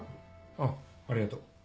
・あっありがとう。